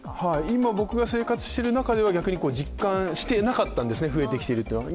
今僕が生活している中では逆に実感してなかったんですね、増えてきているというのは。